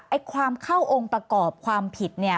ความเข้าองค์ประกอบความผิดเนี่ย